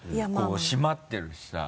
こう締まってるしさ。